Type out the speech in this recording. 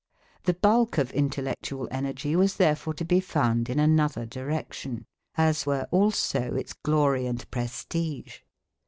The bulk of intellectual energy was therefore to be found in another direction, as were also its glory and prestige.